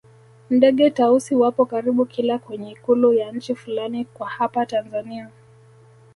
Ndege Tausi wapo karibu kila kwenye ikulu ya nchi fulani kwa hapa tanzania